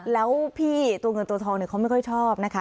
แล้วพี่ตัวเงินตัวทองเขาไม่ค่อยชอบนะคะ